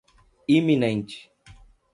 iminente